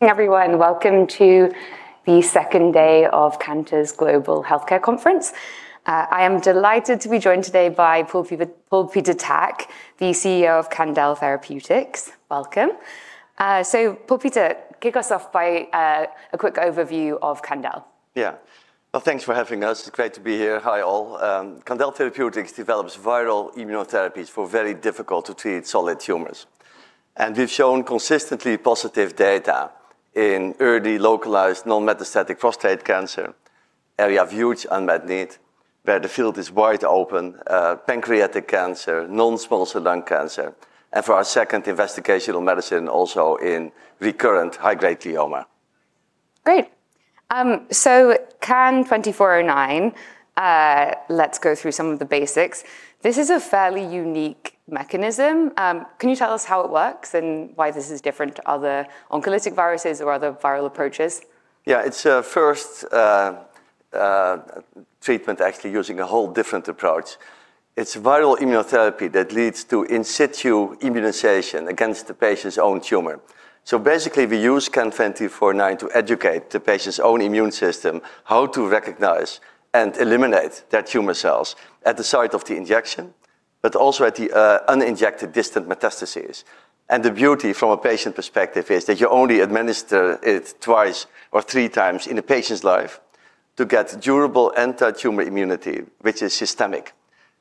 Everyone, welcome to the second day of Cantor Global Healthcare Conference. I am delighted to be joined today by Paul Peter Tak, the CEO of Candel Therapeutics. Welcome. So, Paul Peter Tak, kick us off by a quick overview of Candel. Yeah, well, thanks for having us. It's great to be here. Hi all. Candel Therapeutics develops viral immunotherapies for very difficult-to-treat solid tumors, and we've shown consistently positive data in early localized non-metastatic prostate cancer, area of huge unmet need, where the field is wide open, pancreatic cancer, non-small cell lung cancer, and for our second investigational medicine, also in recurrent high-grade glioma. Great, so CAN-2409, let's go through some of the basics. This is a fairly unique mechanism. Can you tell us how it works and why this is different to other oncolytic viruses or other viral approaches? Yeah, it's a first treatment actually using a whole different approach. It's viral immunotherapy that leads to in situ immunization against the patient's own tumor. So basically, we use CAN-2409 to educate the patient's own immune system how to recognize and eliminate their tumor cells at the site of the injection, but also at the uninjected, distant metastases. The beauty from a patient perspective is that you only administer it twice or three times in a patient's life to get durable anti-tumor immunity, which is systemic.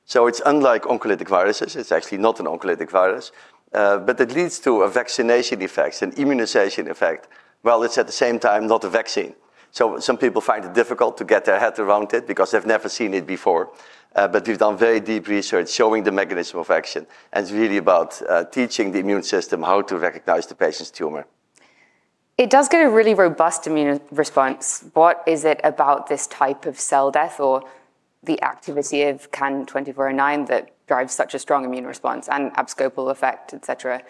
So it's unlike oncolytic viruses. It's actually not an oncolytic virus, but it leads to a vaccination effect and immunization effect, while it's at the same time not a vaccine. So some people find it difficult to get their head around it because they've never seen it before. But we've done very deep research showing the mechanism of action. It's really about teaching the immune system how to recognize the patient's tumor. It does get a really robust immune response. What is it about this type of cell death or the activity of CAN-2409 that drives such a strong immune response and abscopal effect, et cetera?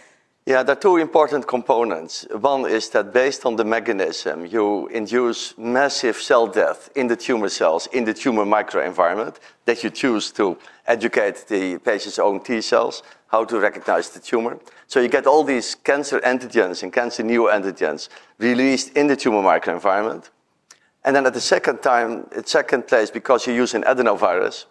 Yeah, there are two important components. One is that based on the mechanism, you induce massive cell death in the tumor cells in the tumor microenvironment that you choose to educate the patient's own T cells how to recognize the tumor. You get all these cancer antigens and cancer neoantigens released in the tumor microenvironment. Then at the second time, at second place, because you're using adenovirus,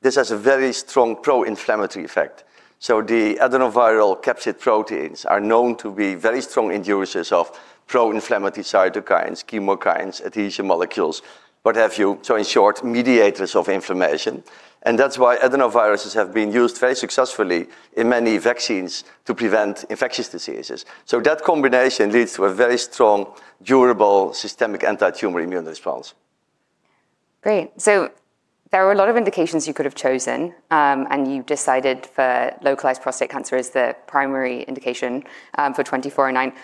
this has a very strong pro-inflammatory effect. The adenoviral capsid proteins are known to be very strong inducers of pro-inflammatory cytokines, chemokines, adhesion molecules, what have you. In short, mediators of inflammation. That's why adenoviruses have been used very successfully in many vaccines to prevent infectious diseases. That combination leads to a very strong, durable, systemic anti-tumor immune response. Great. There were a lot of indications you could have chosen, and you decided for localized prostate cancer as the primary indication for 2409.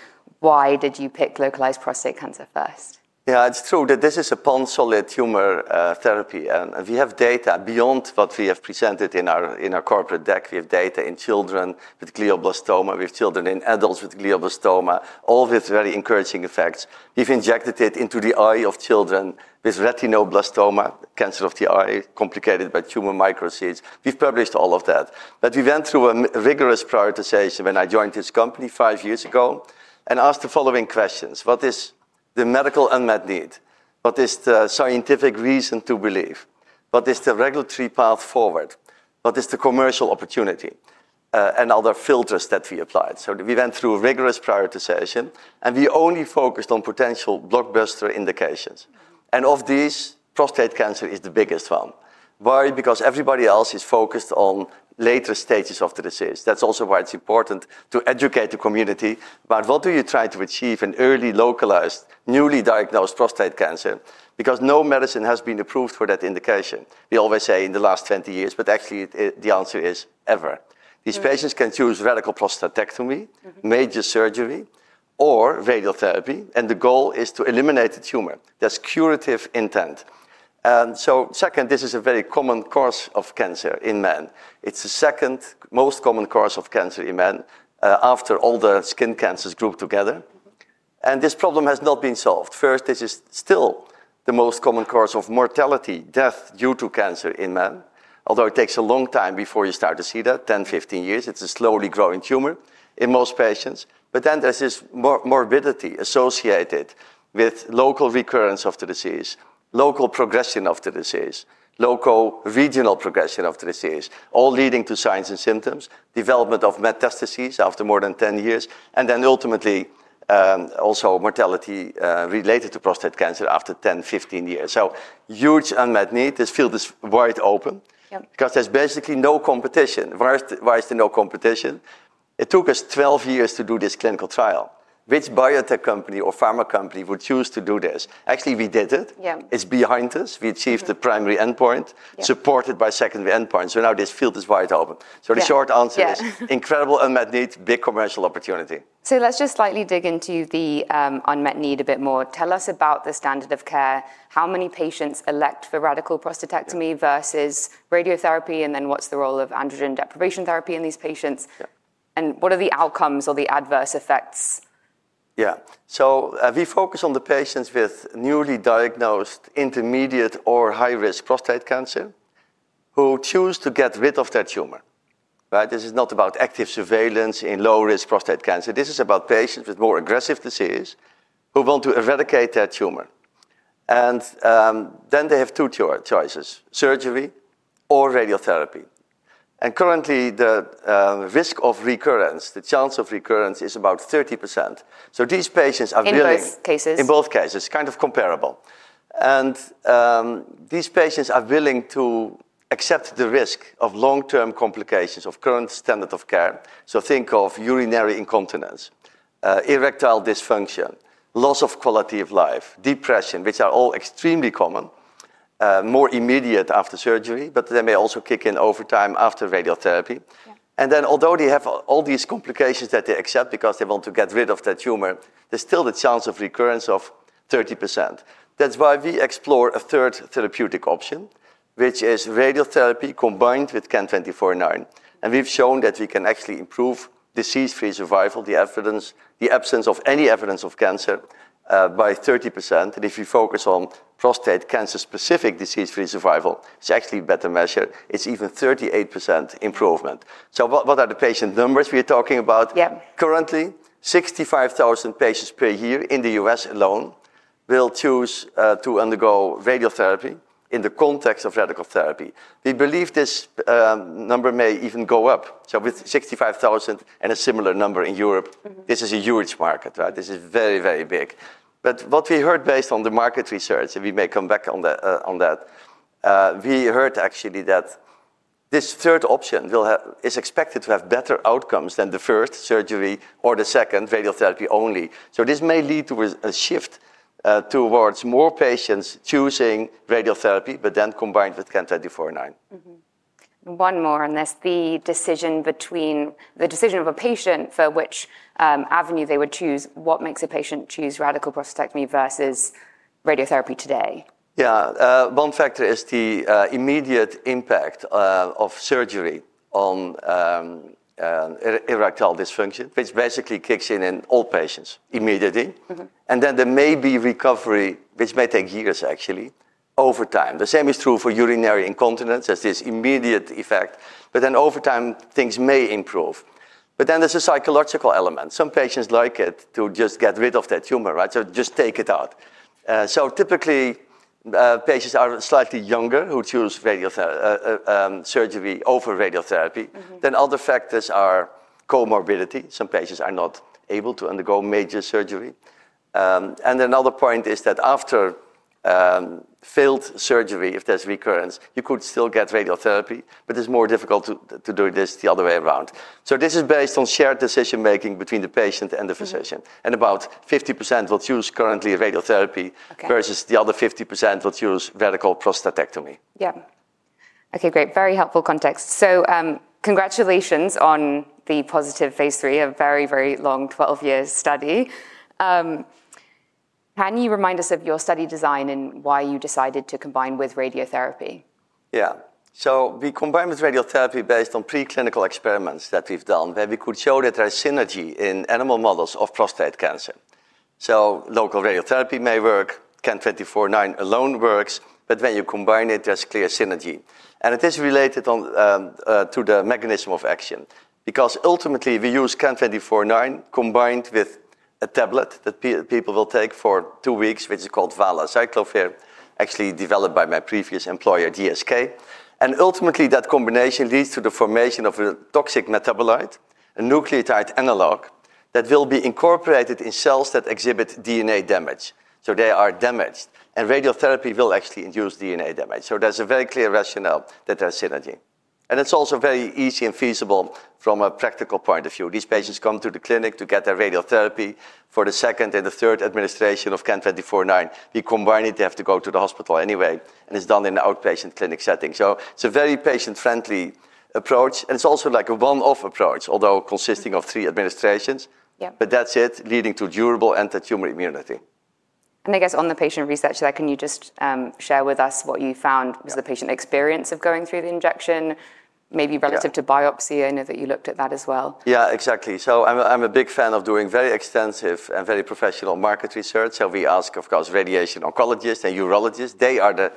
Why did you pick localized prostate cancer first? Yeah, it's true that this is a pan-solid tumor therapy, and we have data beyond what we have presented in our corporate deck. We have data in children with glioblastoma. We have data in adults with glioblastoma, all with very encouraging effects. We've injected it into the eye of children with retinoblastoma, cancer of the eye complicated by tumor microenvironment. We've published all of that, but we went through a rigorous prioritization when I joined this company five years ago and asked the following questions. What is the medical unmet need? What is the scientific reason to believe? What is the regulatory path forward? What is the commercial opportunity? Other filters that we applied, so we went through rigorous prioritization, and we only focused on potential blockbuster indications, and of these, prostate cancer is the biggest one. Why? Because everybody else is focused on later stages of the disease. That's also why it's important to educate the community about what do you try to achieve in early, localized, newly diagnosed prostate cancer, because no medicine has been approved for that indication. We always say in the last 20 years, but actually the answer is ever. These patients can choose radical prostatectomy, major surgery, or radiotherapy, and the goal is to eliminate the tumor. There's curative intent, and so second, this is a very common cause of cancer in men. It's the second most common cause of cancer in men after all the skin cancers grouped together, and this problem has not been solved. First, this is still the most common cause of mortality, death due to cancer in men, although it takes a long time before you start to see that, 10, 15 years. It's a slowly growing tumor in most patients. But then there's this morbidity associated with local recurrence of the disease, local progression of the disease, local regional progression of the disease, all leading to signs and symptoms, development of metastases after more than 10 years, and then ultimately also mortality related to prostate cancer after 10, 15 years. Huge unmet need. This field is wide open because there's basically no competition. Why is there no competition? It took us 12 years to do this clinical trial. Which biotech company or pharma company would choose to do this? Actually, we did it. It's behind us. We achieved the primary endpoint, supported by secondary endpoint. Now this field is wide open. The short answer is incredible unmet need, big commercial opportunity. Let's just slightly dig into the unmet need a bit more. Tell us about the standard of care. How many patients elect for radical prostatectomy versus radiotherapy? Then what's the role of androgen deprivation therapy in these patients? What are the outcomes or the adverse effects? Yeah, so we focus on the patients with newly diagnosed intermediate or high-risk prostate cancer who choose to get rid of that tumor. This is not about active surveillance in low-risk prostate cancer. This is about patients with more aggressive disease who want to eradicate that tumor. Then they have two choices: surgery or radiotherapy. Currently, the risk of recurrence, the chance of recurrence is about 30%. These patients are willing. In both cases. In both cases, kind of comparable, and these patients are willing to accept the risk of long-term complications of current standard of care, so think of urinary incontinence, erectile dysfunction, loss of quality of life, depression, which are all extremely common, more immediate after surgery, but they may also kick in over time after radiotherapy, and then although they have all these complications that they accept because they want to get rid of that tumor, there's still the chance of recurrence of 30%. That's why we explore a third therapeutic option, which is radiotherapy combined with CAN-2409, and we've shown that we can actually improve Disease-Free Survival, the absence of any evidence of cancer by 30%, and if you focus on prostate cancer-specific Disease-Free Survival, it's actually better measured. It's even 38% improvement, so what are the patient numbers we are talking about? Yeah. Currently, 65,000 patients per year in the U.S. alone will choose to undergo radiotherapy in the context of radical therapy. We believe this number may even go up. With 65,000 and a similar number in Europe, this is a huge market. This is very, very big. But what we heard based on the market research, and we may come back on that, we heard actually that this third option is expected to have better outcomes than the first surgery or the second radiotherapy only. This may lead to a shift towards more patients choosing radiotherapy, but then combined with CAN2-409. One more, and that's the decision of a patient for which avenue they would choose. What makes a patient choose radical prostatectomy versus radiotherapy today? Yeah, one factor is the immediate impact of surgery on erectile dysfunction, which basically kicks in in all patients immediately. Then there may be recovery, which may take years actually, over time. The same is true for urinary incontinence. There's this immediate effect. But then over time, things may improve. But then there's a psychological element. Some patients like it to just get rid of that tumor, right? Just take it out. Typically, patients are slightly younger who choose surgery over radiotherapy. Then other factors are comorbidity. Some patients are not able to undergo major surgery. Then another point is that after failed surgery, if there's recurrence, you could still get radiotherapy, but it's more difficult to do this the other way around. This is based on shared decision-making between the patient and the physician. About 50% will choose currently radiotherapy versus the other 50% will choose radical prostatectomy. Yeah. Okay, great. Very helpful context. Congratulations on the positive Phase 3 of a very, very long 12-year study. Can you remind us of your study design and why you decided to combine with radiotherapy? Yeah, so we combined with radiotherapy based on preclinical experiments that we've done, where we could show that there is synergy in animal models of prostate cancer, so local radiotherapy may work. CAN-2409 alone works, but when you combine it, there's clear synergy. It is related to the mechanism of action because ultimately we use CAN-2409 combined with a tablet that people will take for two weeks, which is called Valacyclovir, actually developed by my previous employer, GSK. Ultimately, that combination leads to the formation of a toxic metabolite, a nucleotide analog that will be incorporated in cells that exhibit DNA damage. They are damaged. Radiotherapy will actually induce DNA damage. There's a very clear rationale that there's synergy. It's also very easy and feasible from a practical point of view. These patients come to the clinic to get their radiotherapy for the second and the third administration of CAN-2409. We combine it. They have to go to the hospital anyway, and it's done in an outpatient clinic setting, so it's a very patient-friendly approach, and it's also like a one-off approach, although consisting of three administrations, but that's it, leading to durable anti-tumor immunity. I guess on the patient research there, can you just share with us what you found was the patient experience of going through the injection, maybe relative to biopsy? I know that you looked at that as well. Yeah, exactly. I'm a big fan of doing very extensive and very professional market research. We ask, of course, radiation oncologists and urologists. They are the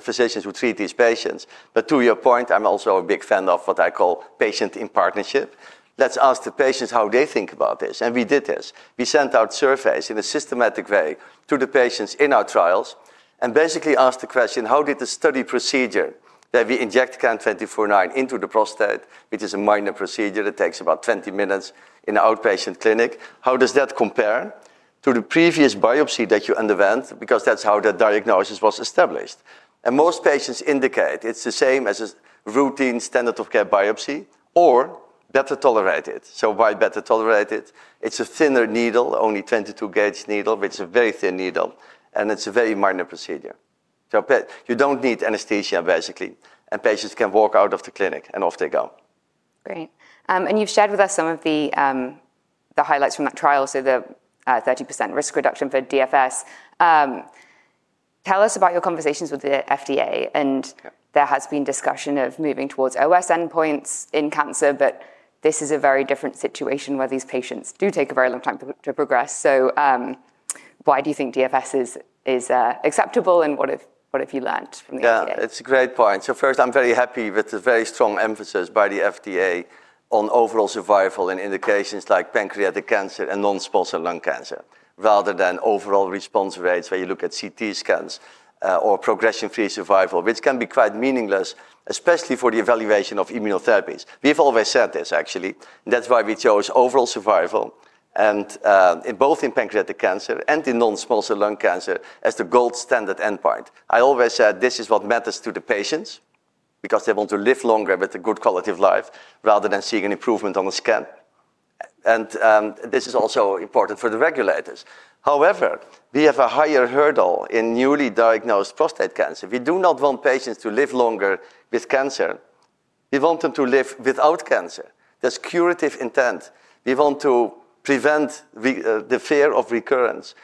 physicians who treat these patients. But to your point, I'm also a big fan of what I call patient in partnership. Let's ask the patients how they think about this. We did this. We sent out surveys in a systematic way to the patients in our trials and basically asked the question, how did the study procedure that we inject CAN-2409 into the prostate, which is a minor procedure that takes about 20 minutes in an outpatient clinic, how does that compare to the previous biopsy that you underwent? Because that's how the diagnosis was established. Most patients indicate it's the same as a routine standard of care biopsy or better tolerated. Why better tolerated? It's a thinner needle, only 22 gauge needle, which is a very thin needle, and it's a very minor procedure, so you don't need anesthesia, basically, and patients can walk out of the clinic and off they go. Great. You've shared with us some of the highlights from that trial. The 30% risk reduction for DFS. Tell us about your conversations with the FDA. There has been discussion of moving towards OS endpoints in cancer, but this is a very different situation where these patients do take a very long time to progress. Why do you think DFS is acceptable? What have you learned from the FDA? It's a great point. First, I'm very happy with the strong emphasis by the FDA on Overall Survival in indications like pancreatic cancer and non-small cell lung cancer, rather than overall response rates where you look at CT scans or Progression-Free Survival, which can be quite meaningless, especially for the evaluation of immunotherapies. We have always said this, actually. That's why we chose Overall Survival in both pancreatic cancer and in non-small cell lung cancer as the gold standard endpoint. I always said this is what matters to the patients because they want to live longer with a good quality of life rather than seeing an improvement on the scan, and this is also important for the regulators. However, we have a higher hurdle in newly diagnosed prostate cancer. We do not want patients to live longer with cancer. We want them to live without cancer. There's curative intent. We want to prevent the fear of recurrence,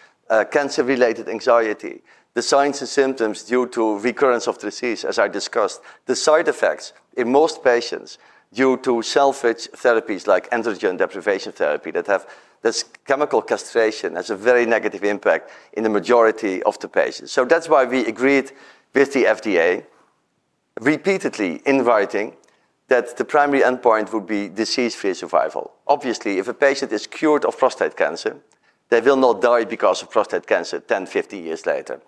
cancer-related anxiety, the signs and symptoms due to recurrence of disease, as I discussed, the side effects in most patients due to surgery therapies like androgen deprivation therapy that have this chemical castration has a very negative impact in the majority of the patients. That's why we agreed with the FDA, repeatedly indicating that the primary endpoint would be Disease-Free Survival. Obviously, if a patient is cured of prostate cancer, they will not die because of prostate cancer 10, 50 years later.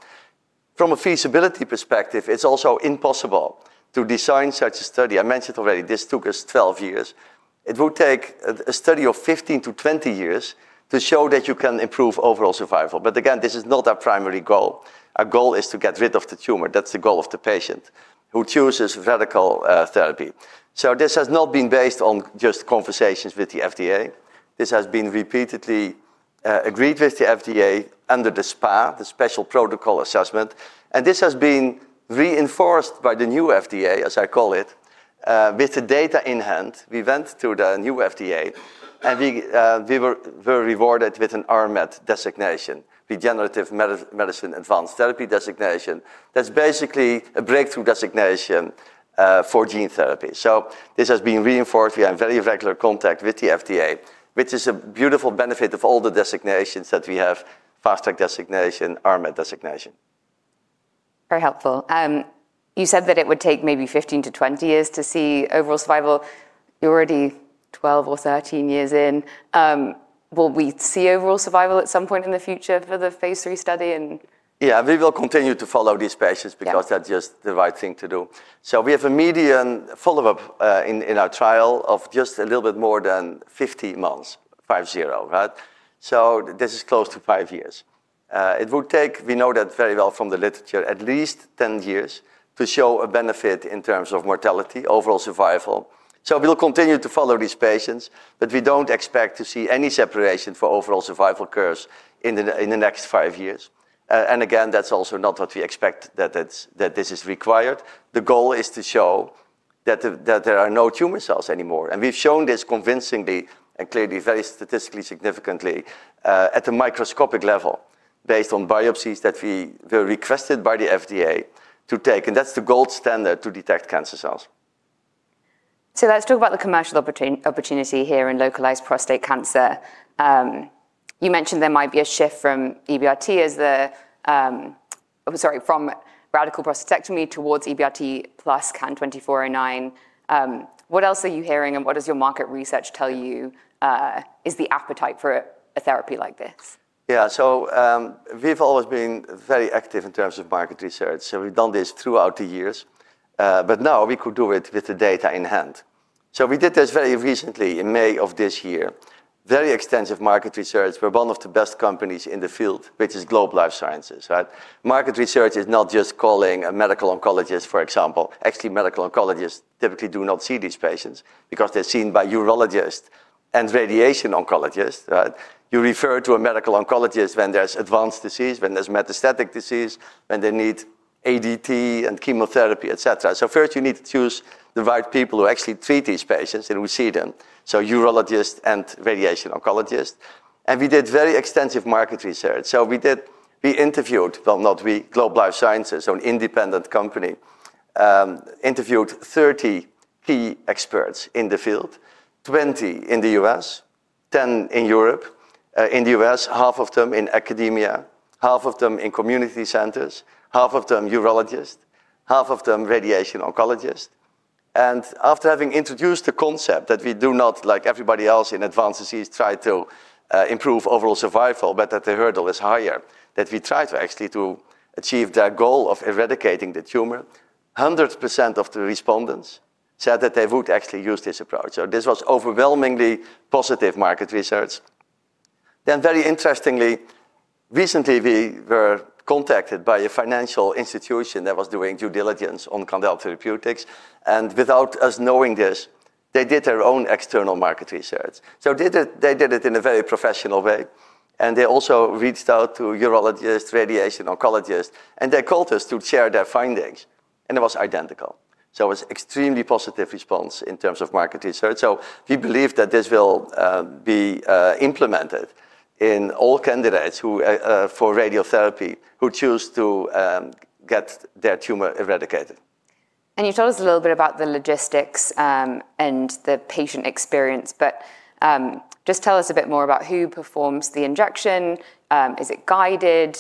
From a feasibility perspective, it's also impossible to design such a study. I mentioned already this took us 12 years. It would take a study of 15-20 years to show that you can improve Overall Survival. But again, this is not our primary goal. Our goal is to get rid of the tumor. That's the goal of the patient who chooses radical therapy. This has not been based on just conversations with the FDA. This has been repeatedly agreed with the FDA under the SPA, the Special Protocol Assessment. This has been reinforced by the new FDA, as I call it, with the data in hand. We went to the new FDA, and we were rewarded with an Regenerative Medicine Advanced Therapy (RMAT) designation, Regenerative Medicine Advanced Therapy designation. That's basically a breakthrough designation for gene therapy. This has been reinforced. We have very regular contact with the FDA, which is a beautiful benefit of all the designations that we have, Fast Track designation, RMAT designation. Very helpful. You said that it would take maybe 15 to 20 years to see Overall Survival. You're already 12 or 13 years in. Will we see Overall Survival at some point in the future for the Phase 3 study? Yeah, we will continue to follow these patients because that's just the right thing to do. We have a median follow-up in our trial of just a little bit more than 50 months, 50, right? This is close to five years. It would take, we know that very well from the literature, at least 10 years to show a benefit in terms of mortality, Overall Survival. We'll continue to follow these patients, but we don't expect to see any separation for Overall Survival curves in the next five years. Again, that's also not what we expect that this is required. The goal is to show that there are no tumor cells anymore. We've shown this convincingly and clearly, very statistically significantly at a microscopic level based on biopsies that we were requested by the FDA to take. That's the gold standard to detect cancer cells. Let's talk about the commercial opportunity here in localized prostate cancer. You mentioned there might be a shift from EBRT, sorry, from radical prostatectomy towards EBRT plus CAN-2409. What else are you hearing and what does your market research tell you is the appetite for a therapy like this? Yeah, so we've always been very active in terms of market research. We've done this throughout the years. But now we could do it with the data in hand. We did this very recently in May of this year. Very extensive market research. We're one of the best companies in the field, which is Globe Life Sciences, right? Market research is not just calling a medical oncologist, for example. Actually, medical oncologists typically do not see these patients because they're seen by urologists and radiation oncologists, right? You refer to a medical oncologist when there's advanced disease, when there's metastatic disease, when they need ADT and chemotherapy, et cetera. First, you need to choose the right people who actually treat these patients and who see them. Urologist and radiation oncologist. We did very extensive market research. We interviewed, well, not we. Globe Life Sciences, an independent company, interviewed 30 key experts in the field, 20 in the U.S., 10 in Europe, in the U.S., half of them in academia, half of them in community centers, half of them urologists, half of them radiation oncologists. After having introduced the concept that we do not, like everybody else in advanced disease, try to improve Overall Survival, but that the hurdle is higher, that we try to actually achieve that goal of eradicating the tumor, 100% of the respondents said that they would actually use this approach. This was overwhelmingly positive market research. Very interestingly, recently we were contacted by a financial institution that was doing due diligence on Candel Therapeutics. Without us knowing this, they did their own external market research. They did it in a very professional way. They also reached out to urologists, radiation oncologists, and they called us to share their findings. It was identical. It was an extremely positive response in terms of market research. We believe that this will be implemented in all candidates for radiotherapy who choose to get their tumor eradicated. You told us a little bit about the logistics and the patient experience, but just tell us a bit more about who performs the injection. Is it guided?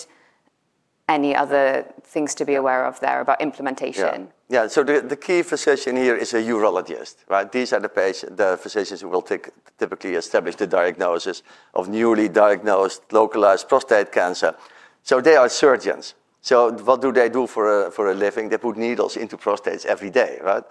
Any other things to be aware of there about implementation? Yeah, so the key physician here is a urologist, right? These are the physicians who will typically establish the diagnosis of newly diagnosed localized prostate cancer. They are surgeons. What do they do for a living? They put needles into prostates every day, right?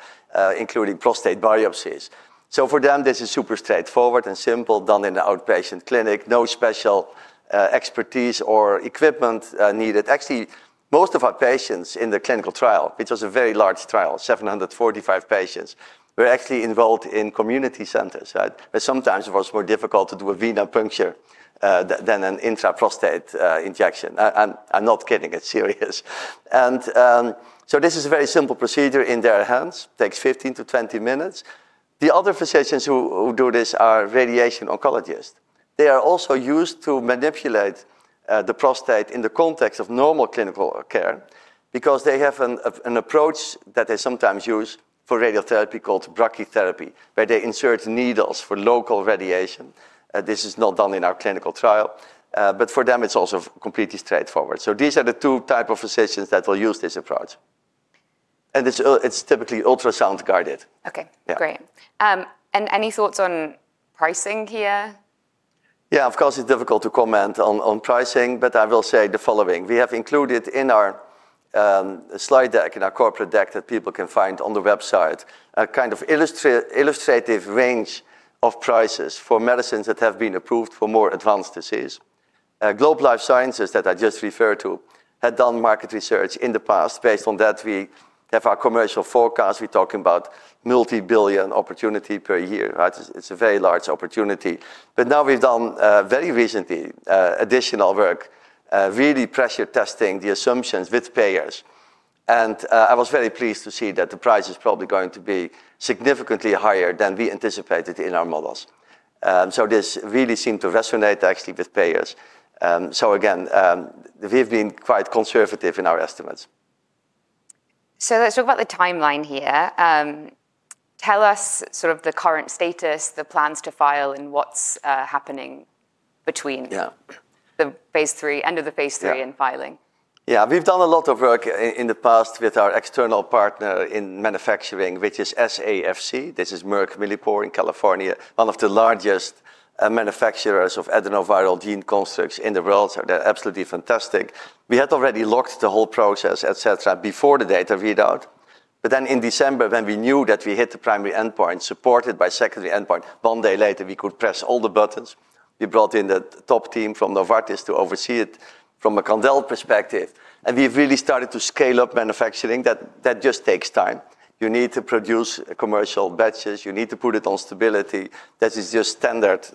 Including prostate biopsies. For them, this is super straightforward and simple, done in the outpatient clinic. No special expertise or equipment needed. Actually, most of our patients in the clinical trial, which was a very large trial, 745 patients, were actually involved in community centers, right? But sometimes it was more difficult to do a venipuncture than an intraprostate injection. I'm not kidding. It's serious. This is a very simple procedure in their hands. Takes 15-20 minutes. The other physicians who do this are radiation oncologists. They are also used to manipulate the prostate in the context of normal clinical care because they have an approach that they sometimes use for radiotherapy called brachytherapy, where they insert needles for local radiation. This is not done in our clinical trial, but for them, it's also completely straightforward. These are the two types of physicians that will use this approach, and it's typically ultrasound-guided. Okay, great. Any thoughts on pricing here? Yeah, of course, it's difficult to comment on pricing, but I will say the following. We have included in our slide deck, in our corporate deck that people can find on the website, a kind of illustrative range of prices for medicines that have been approved for more advanced disease. Globe Life Sciences that I just referred to had done market research in the past. Based on that, we have our commercial forecast. We're talking about multi-billion opportunity per year, right? It's a very large opportunity. But now we've done very recently additional work, really pressure testing the assumptions with payers. I was very pleased to see that the price is probably going to be significantly higher than we anticipated in our models. This really seemed to resonate actually with payers. Again, we've been quite conservative in our estimates. Let's talk about the timeline here. Tell us sort of the current status, the plans to file, and what's happening between the Phase 3, end of the Phase 3 and filing. Yeah, we've done a lot of work in the past with our external partner in manufacturing, which is SAFC. This is Merck Millipore in California, one of the largest manufacturers of adenoviral gene constructs in the world. They're absolutely fantastic. We had already locked the whole process, et cetera, before the data readout. But then in December, when we knew that we hit the primary endpoint supported by secondary endpoint, one day later, we could press all the buttons. We brought in the top team from Novartis to oversee it from a Candel perspective. We've really started to scale up manufacturing. That just takes time. You need to produce commercial batches. You need to put it on stability. That is just standard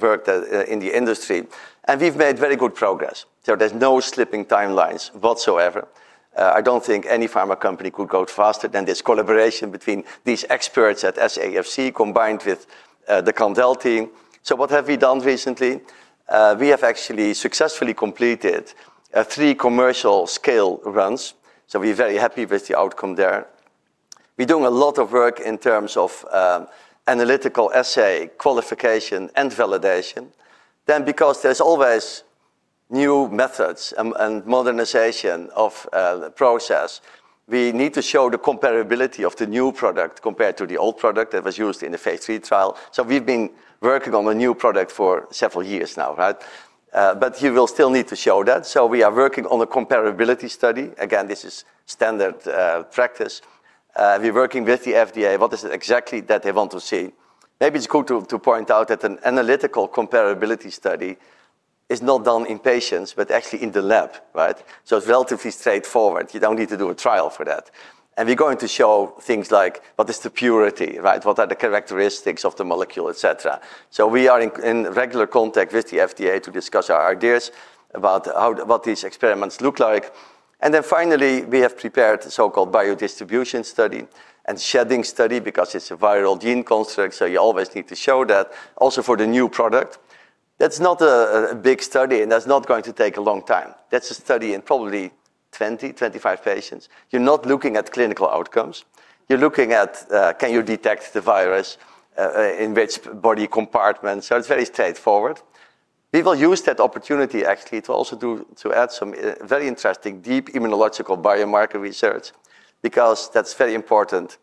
work in the industry. We've made very good progress. There's no slipping timelines whatsoever. I don't think any pharma company could go faster than this collaboration between these experts at SAFC combined with the Candel team. What have we done recently? We have actually successfully completed three commercial scale runs. We're very happy with the outcome there. We're doing a lot of work in terms of analytical assay qualification and validation. Then because there's always new methods and modernization of the process, we need to show the comparability of the new product compared to the old product that was used in the Phase 3 trial. We've been working on a new product for several years now, right? But you will still need to show that. We are working on a comparability study. Again, this is standard practice. We're working with the FDA. What is it exactly that they want to see? Maybe it's good to point out that an analytical comparability study is not done in patients, but actually in the lab, right? It's relatively straightforward. You don't need to do a trial for that. We're going to show things like what is the purity, right? What are the characteristics of the molecule, et cetera. We are in regular contact with the FDA to discuss our ideas about what these experiments look like. Then finally, we have prepared a so-called biodistribution study and shedding study because it's a viral gene construct. You always need to show that also for the new product. That's not a big study, and that's not going to take a long time. That's a study in probably 20–25 patients. You're not looking at clinical outcomes. You're looking at can you detect the virus in which body compartment. It's very straightforward. We will use that opportunity actually to also add some very interesting deep immunological biomarker research because that's very important.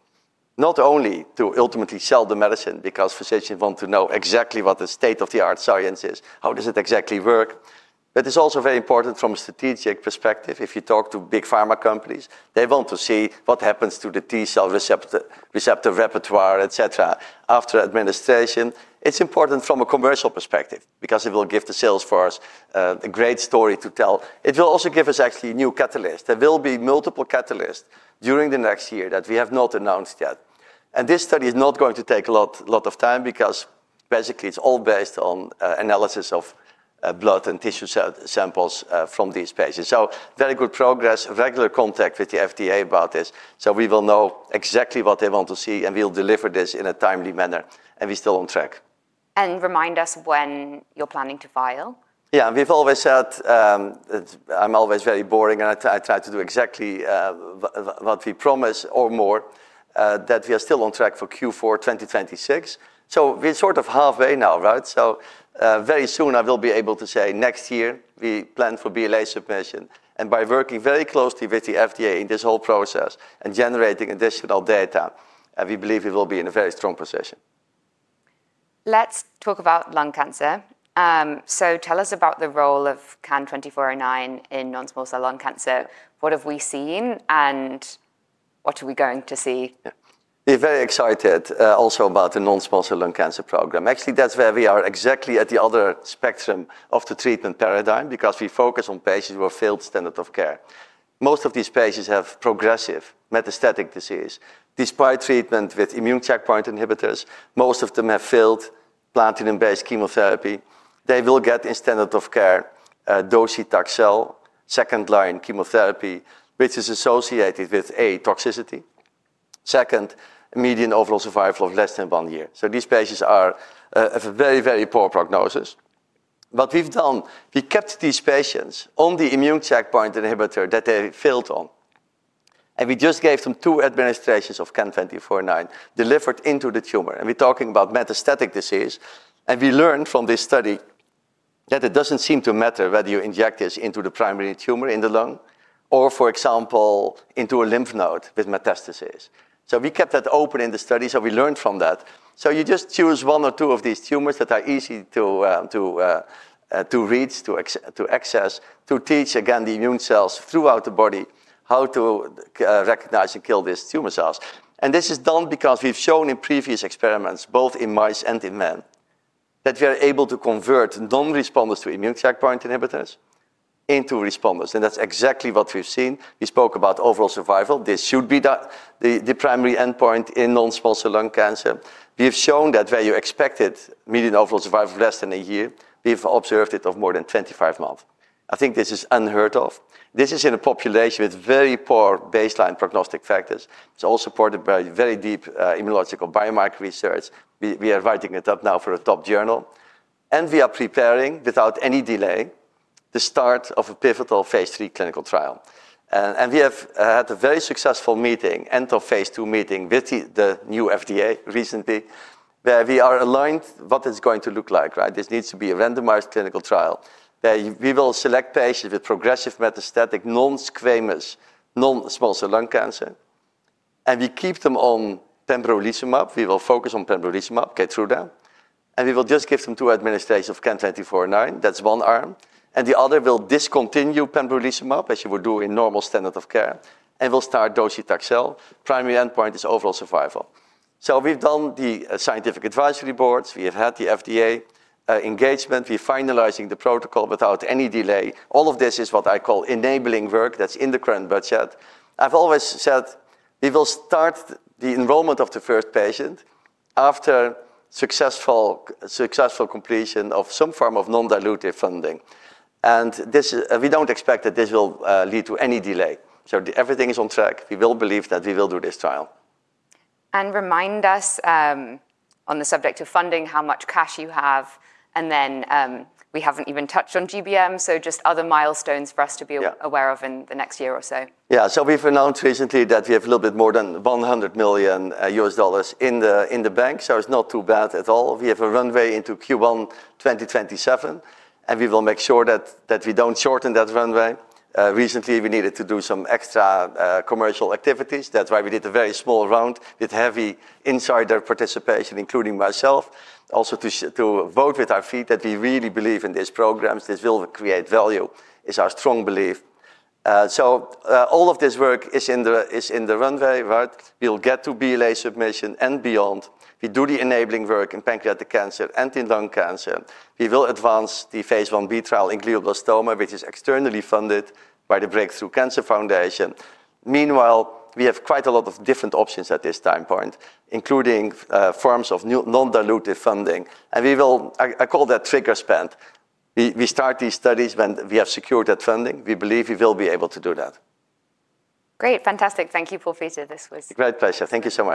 Not only to ultimately sell the medicine because physicians want to know exactly what the state of the art science is, how does it exactly work? but it's also very important from a strategic perspective. If you talk to big pharma companies, they want to see what happens to the T-cell receptor repertoire, et cetera, after administration. It's important from a commercial perspective because it will give the salesforce a great story to tell. It will also give us actually new catalysts. There will be multiple catalysts during the next year that we have not announced yet. This study is not going to take a lot of time because basically it's all based on analysis of blood and tissue samples from these patients. Very good progress, regular contact with the FDA about this. We will know exactly what they want to see, and we'll deliver this in a timely manner, and we're still on track. Remind us when you're planning to file? Yeah, we've always said I'm always very boring, and I try to do exactly what we promise or more, that we are still on track for Q4 2026. We're sort of halfway now, right? Very soon I will be able to say next year we plan for BLA submission, and by working very closely with the FDA in this whole process and generating additional data, we believe we will be in a very strong position. Let's talk about lung cancer. Tell us about the role of CAN-2409 in non-small cell lung cancer. What have we seen, and what are we going to see? We're very excited also about the non-small cell lung cancer program. Actually, that's where we are exactly at the other spectrum of the treatment paradigm because we focus on patients who are failed standard of care. Most of these patients have progressive metastatic disease. Despite treatment with immune checkpoint inhibitors, most of them have failed platinum-based chemotherapy. They will get in standard of care docetaxel second line chemotherapy, which is associated with high toxicity, second, a median Overall Survival of less than one year, so these patients have a very, very poor prognosis. What we've done, we kept these patients on the immune checkpoint inhibitor that they failed on, and we just gave them two administrations of CAN-2409 delivered into the tumor, and we're talking about metastatic disease. We learned from this study that it doesn't seem to matter whether you inject this into the primary tumor in the lung or, for example, into a lymph node with metastasis. We kept that open in the study. We learned from that. You just choose one or two of these tumors that are easy to reach, to access, to teach, again, the immune cells throughout the body how to recognize and kill these tumor cells. This is done because we've shown in previous experiments, both in mice and in men, that we are able to convert non-responders to immune checkpoint inhibitors into responders. That's exactly what we've seen. We spoke about Overall Survival. This should be the primary endpoint in non-small cell lung cancer. We have shown that where you expected median Overall Survival of less than a year, we've observed it of more than 25 months. I think this is unheard of. This is in a population with very poor baseline prognostic factors. It's all supported by very deep immunological biomarker research. We are writing it up now for a top journal. We are preparing without any delay the start of a pivotal Phase 3 clinical trial. We have had a very successful meeting, end of Phase 2 meeting with the FDA recently, where we are aligned what it's going to look like, right? This needs to be a randomized clinical trial where we will select patients with progressive metastatic non-squamous non-small cell lung cancer. We keep them on pembrolizumab. We will focus on pembrolizumab, Keytruda. We will just give them two administrations of CAN-2409. That's one arm, and the other will discontinue pembrolizumab as you would do in normal standard of care and will start docetaxel. Primary endpoint is Overall Survival, so we've done the scientific advisory boards. We have had the FDA engagement. We're finalizing the protocol without any delay. All of this is what I call enabling work that's in the current budget. I've always said we will start the enrollment of the first patient after successful completion of some form of non-dilutive funding, and we don't expect that this will lead to any delay, so everything is on track. We will believe that we will do this trial. Remind us on the subject of funding how much cash you have. Then we haven't even touched on GBM. Just other milestones for us to be aware of in the next year or so. Yeah, so we've announced recently that we have a little bit more than $100 million in the bank. It's not too bad at all. We have a runway into Q1 2027, and we will make sure that we don't shorten that runway. Recently, we needed to do some extra commercial activities. That's why we did a very small round with heavy insider participation, including myself, also to vote with our feet that we really believe in these programs. This will create value is our strong belief. All of this work is in the runway, right? We'll get to BLA submission and beyond. We do the enabling work in pancreatic cancer and in lung cancer. We will advance the Phase 1b trial in glioblastoma, which is externally funded by the Break Through Cancer Foundation. Meanwhile, we have quite a lot of different options at this time point, including forms of non-dilutive funding. We will. I call that trigger spend. We start these studies when we have secured that funding. We believe we will be able to do that. Great. Fantastic. Thank you, Paul Peter Tak. This was. Great pleasure. Thank you so much.